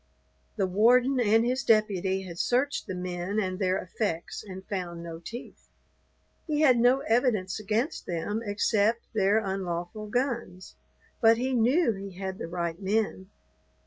The warden and his deputy had searched the men and their effects and found no teeth. He had no evidence against them except their unlawful guns, but he knew he had the right men.